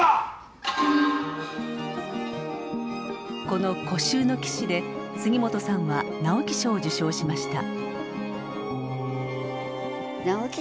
この「孤愁の岸」で杉本さんは直木賞を受賞しました。